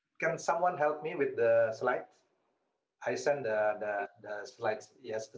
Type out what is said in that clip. ini adalah implikasinya